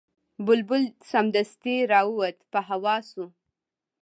بلبل سمدستي را ووت په هوا سو